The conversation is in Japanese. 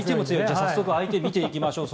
早速相手を見ていきましょう。